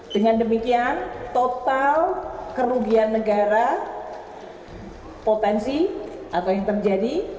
dengan demikian total kerugian negara potensi atau yang terjadi